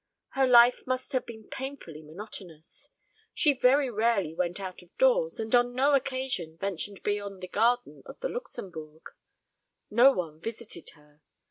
Her life must have been painfully monotonous. She very rarely went out of doors, and on no occasion ventured beyond the gardens of the Luxembourg. No one visited her.